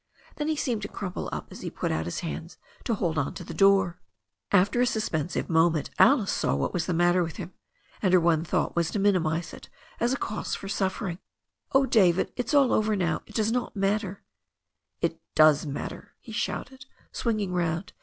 Then he seemed to crumple up as he put out his hands to hold on to the door. After a suspensive moment Alice saw what was the matter with him, and her one thought was to minimize it as a cause for suffering. 0h, David, it is all over now. It does not matter "It does matter!" he shouted, swinging round.